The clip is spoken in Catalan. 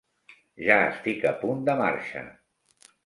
Ja estic a punt de marxa.